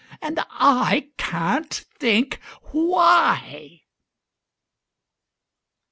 And I can't think why!